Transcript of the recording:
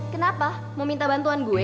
kenapa mau minta bantuan gue